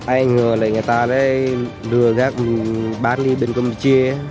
ai ngờ người ta lừa gác bán đi bên công ty chia